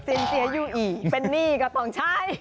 สินเสียอยู่อีกเป็นหนี้ก็ต้องใช้